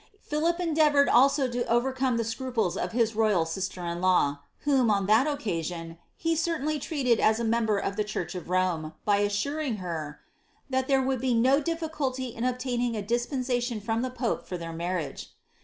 Philip endea voured also to orereome the scruples of his royal sister in law, whom^ oQ that occasion, he certainly treated as a member of the chureh of Rome« by assuring her ^ that there would be no difficulty in obtaining I dispensation from the pope for their marriage."